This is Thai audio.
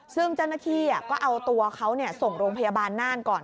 ซึ่งเจ้าหน้าที่ก็เอาตัวเขาส่งโรงพยาบาลน่านก่อน